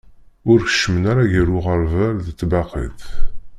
Ur keččem ara gar uɣerbal d tbaqit.